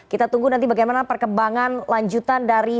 kita tunggu nanti bagaimana perkembangan lanjutan dari